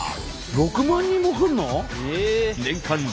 ６万人も来るの？